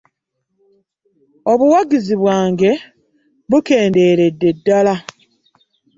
Obuwagizi bwange bukendeeredde ddala.